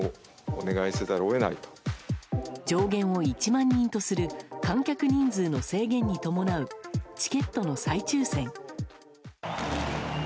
上限を１万人とする観客人数の制限に伴うチケットの再抽選。